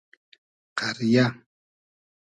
قئریۂ